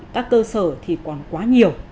các cơ sở thì còn quá nhiều